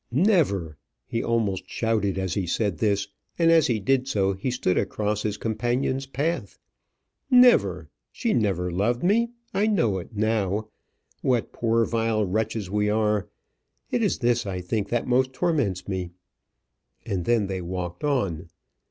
"Never!" He almost shouted as he said this; and as he did so, he stood across his companion's path. "Never! She never loved me. I know it now. What poor vile wretches we are! It is this I think that most torments me." And then they walked on.